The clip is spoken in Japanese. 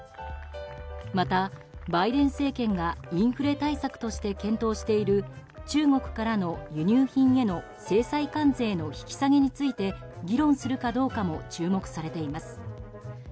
また、バイデン政権がインフレ対策として検討している中国からの輸入品への制裁関税の引き下げについて議論するかどうかも注目されています。